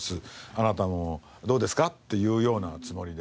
あなたもどうですか？」っていうようなつもりで。